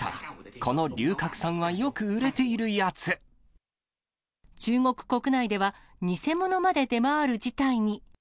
この龍角散中国国内では、偽物まで出回る事態に。